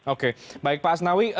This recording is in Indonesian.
oke baik pak asnawi